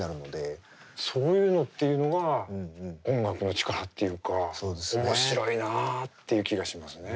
そういうのっていうのが音楽の力っていうか面白いなっていう気がしますね。